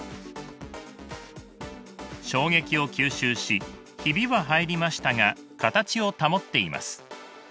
衝撃を吸収しヒビは入りましたが形を保っています。